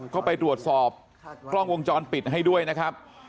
เข้าไปตรวจสอบกล้องวงจรปิดให้ด้วยนะครับ